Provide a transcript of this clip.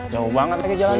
jauh banget kakek jalan